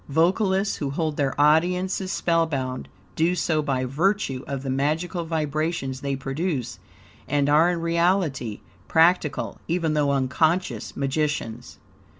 Vocalists who hold their audiences spellbound do so by virtue of the magical vibrations they produce, and are in reality practical, even though unconscious, magicians.